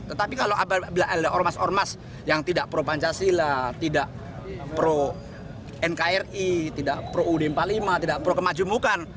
tetapi kalau ormas ormas yang tidak pro pancasila tidak pro nkri tidak pro ud empat puluh lima tidak pro kemajumukan